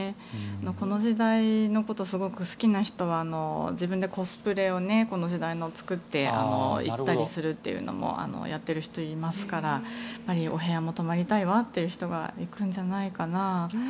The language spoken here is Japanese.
この時代のことをすごく好きな人は自分でコスプレをしてこの時代のを作って行ったりするというのもやってる人いますからお部屋も泊まりたいわって人は行くんじゃないかな。